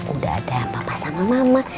udah ada mama sama mama